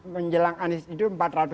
menjelang anis itu empat ratus enam puluh